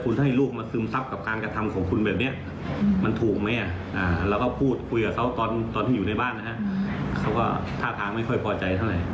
ตอนนี้เราก็ไม่คิดว่าจะแบบคือแล้วจึงต้องมาค่ะ